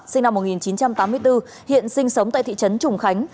sinh năm một nghìn chín trăm tám mươi bốn hiện sinh sống tại thị trấn trùng khánh